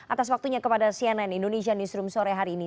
atas waktunya kepada cnn indonesia newsroom sore hari ini